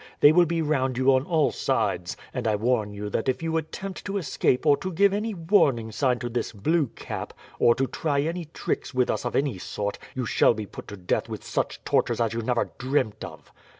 They will be round you on all sides, and I warn you that if you attempt to escape or to give any warning sign to this Blue Cap, or to try any tricks with us of any sort, you shall be put to death with such tortures as you never dreamt of.